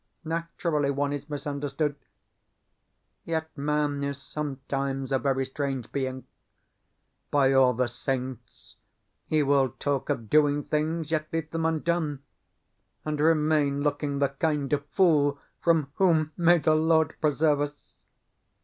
Naturally one is misunderstood.... Yet man is sometimes a very strange being. By all the Saints, he will talk of doing things, yet leave them undone, and remain looking the kind of fool from whom may the Lord preserve us!...